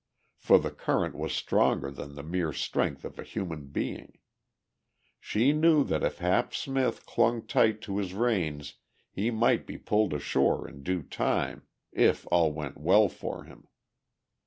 For the current was stronger than the mere strength of a human being. She knew that if Hap Smith clung tight to his reins he might be pulled ashore in due time, if all went well for him.